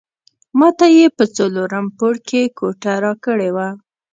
ماته یې په څلورم پوړ کې کوټه راکړې وه.